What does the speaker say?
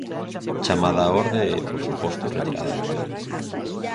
Chamada á orde e, por suposto, retirada da palabra.